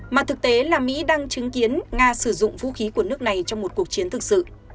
mà thực tế là mỹ đang chứng kiến nga sử dụng vũ khí của nước này trong một cuộc chiến thực sự